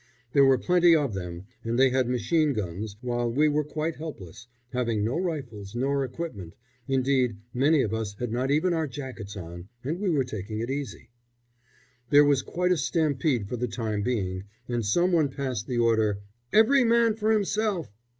There were plenty of them and they had machine guns, while we were quite helpless, having no rifles nor equipment indeed, many of us had not even our jackets on, as we were taking it easy. There was quite a stampede for the time being, and some one passed the order, "Every man for himself!"